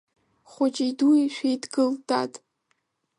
Хәыҷи-дуи шәеидгыл, дад…